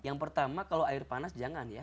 yang pertama kalau air panas jangan ya